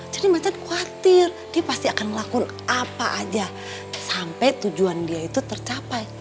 jadi macan khawatir dia pasti akan ngelakuin apa aja sampai tujuan dia itu tercapai